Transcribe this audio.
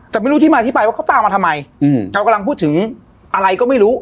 แต่ไม่รู้ที่มาที่ไปว่าเขาตามมาทำไมเรากำลังพูดถึงอะไรก็ไม่รู้